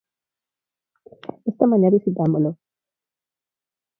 Esta mañá visitámolo.